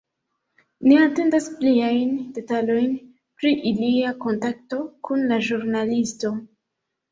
Ni atendas pliajn detalojn pri ilia kontakto kun la ĵurnalisto.